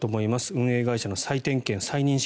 運営会社の再点検、再認識